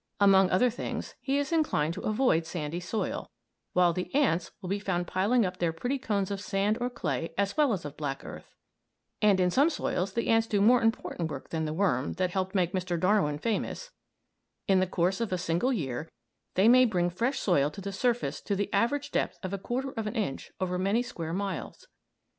Among other things, he is inclined to avoid sandy soil, while the ants will be found piling up their pretty cones of sand or clay as well as of black earth. And in some soils the ants do more important work than the worm that helped make Mr. Darwin famous. In the course of a single year they may bring fresh soil to the surface to the average depth of a quarter of an inch over many square miles.